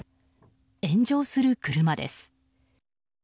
炎上する車です。